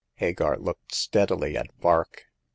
Hagar looked steadily at Vark.